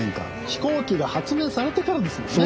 飛行機が発明されてからですもんね。